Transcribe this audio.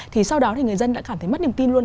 thì sau đó thì người dân đã cảm thấy mất niềm tin luôn